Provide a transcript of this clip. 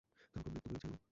কাল খুব নৃত্য করেছি আমরা।